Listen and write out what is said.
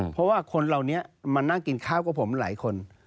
เพราะว่าคนเหล่านี้มานั่งกินข้าวกับผมหลายคน